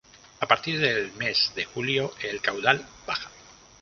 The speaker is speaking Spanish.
A partir del mes de julio, el caudal baja.